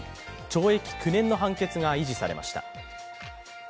懲役９年の判決が維持されました。